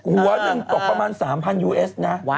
หัวหนึ่งตกประมาณ๓๐๐ยูเอสนะ